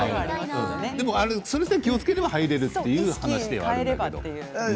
それさえ気をつければ入れるという話ではあるんですよね。